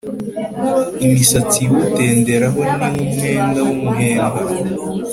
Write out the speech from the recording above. imisatsi iwutenderaho ni nk’umwenda w’umuhemba;